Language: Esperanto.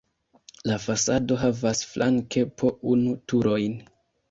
La fasado havas flanke po unu turojn.